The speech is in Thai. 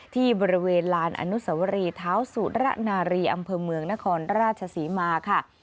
ที่บริเวณลานอนุสวรีเท้าสุระนารีอำเภอเมืองนครราชศรีมาค่ะ